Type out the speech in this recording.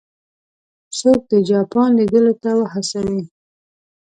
څوک د جاپان لیدلو ته وهڅوي.